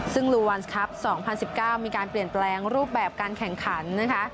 ซึ่งลูวันสครับ๒๐๑๙มีการเปลี่ยนแปลงรูปแบบการแข่งขันนะคะ